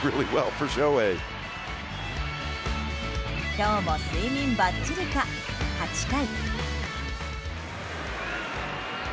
今日も睡眠ばっちりか、８回。